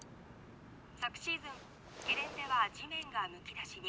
昨シーズンゲレンデは地面はむき出しに」。